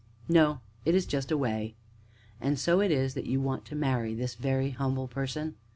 "No it is just a way." "And so it is that you want to marry this very Humble Person?"